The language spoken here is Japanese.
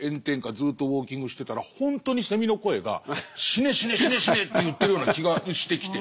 ずっとウォーキングしてたら本当にセミの声が「死ね死ね死ね死ね」って言ってるような気がしてきて。